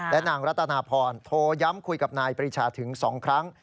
และนางรัตนาพรโทรย้ำคุยกับนายปริชาถึง๒ครั้ง